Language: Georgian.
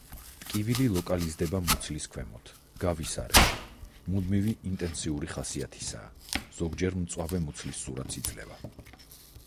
ტკივილი ლოკალიზდება მუცლის ქვემოთ, გავის არეში, მუდმივი ინტენსიური ხასიათისაა, ზოგჯერ მწვავე მუცლის სურათს იძლევა.